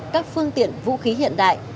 các phương tiện vũ khí hiện đại